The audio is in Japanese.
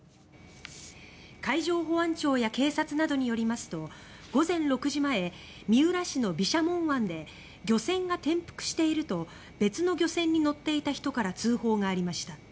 海上保安庁や警察などによりますと午前６時前三浦市の毘沙門湾で漁船が転覆していると別の漁船に乗っていた人から通報がありました。